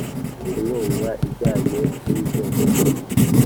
inkunga ijyanye n Ibigenderwaho